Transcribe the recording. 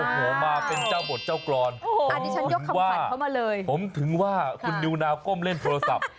โอ้โหมาเป็นเจ้าบทเจ้ากรอนผมถึงว่าคุณนิวนาวก้มเล่นโทรศัพท์